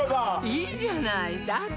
いいじゃないだって